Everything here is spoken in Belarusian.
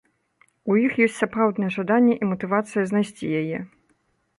У іх ёсць сапраўднае жаданне і матывацыя знайсці яе.